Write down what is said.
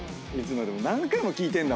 何回も聞いてんだもんね